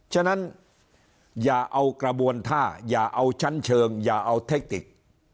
ฉะนั้นอย่าเอากระบวนท่าอย่าเอาชั้นเชิงอย่าเอาเทคติก